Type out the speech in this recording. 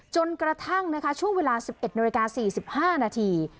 จนกระทั่งนะคะช่วงเวลา๑๑นาฬิกา๔๕นาที